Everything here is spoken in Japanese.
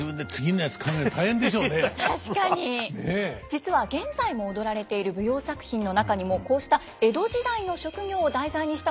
実は現在も踊られている舞踊作品の中にもこうした江戸時代の職業を題材にしたものが多いんです。